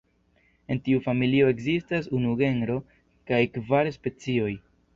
En tiu familio ekzistas unu genro kaj kvar specioj.